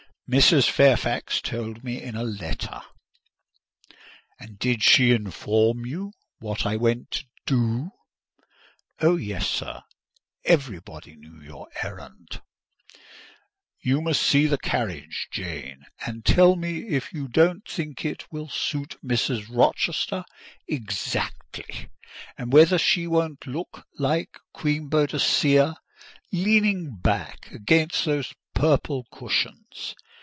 "Mrs. Fairfax told me in a letter." "And did she inform you what I went to do?" "Oh, yes, sir! Everybody knew your errand." "You must see the carriage, Jane, and tell me if you don't think it will suit Mrs. Rochester exactly; and whether she won't look like Queen Boadicea, leaning back against those purple cushions.